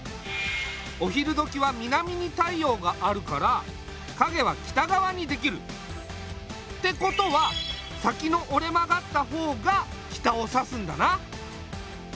お昼どきは南に太陽があるからかげは北がわにできる。ってことは先のおれ曲がった方が北を指すんだな。